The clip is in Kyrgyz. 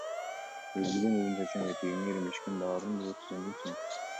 Өрүлгөн узун чачың, этегиңе эрмешкен балдарың болбосо сен кимсиң?